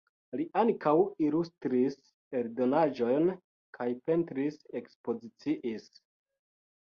Li ankaŭ ilustris eldonaĵojn kaj pentris-ekspoziciis.